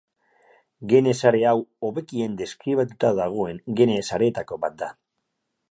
Gene-sare hau hobekien deskribatuta dagoen gene-sareetako bat da.